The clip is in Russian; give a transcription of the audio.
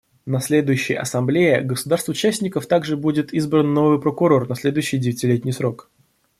На следующей Ассамблее государств-участников также будет избран новый Прокурор на следующий девятилетний срок.